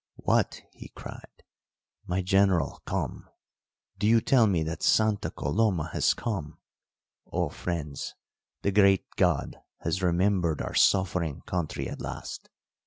"What," he cried, "my General come! Do you tell me that Santa Coloma has come? Oh, friends, the great God has remembered our suffering country at last!